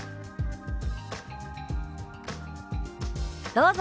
どうぞ。